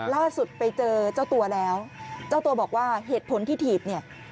ล่าสุดไปเจอเจ้าตัวแล้วเจ้าตัวบอกว่าเหตุผลที่ถีบเนี่ย